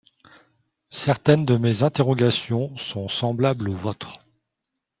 Certaines de mes interrogations sont semblables aux vôtres.